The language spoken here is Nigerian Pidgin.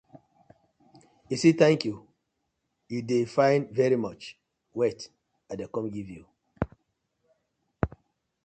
You see "thank you", you dey find "very much", wait I dey com giv you.